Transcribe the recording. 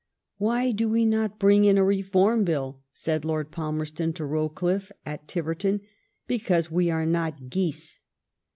Why do we not bring in a Reform Bill ?" said Lord Palmerston to Rowoliffe at Tiverton ;'* because we are not geese."